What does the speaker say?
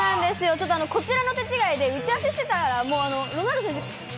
ちょっとこちらの手違いで打ち合わせしてたら、もうロナウド選手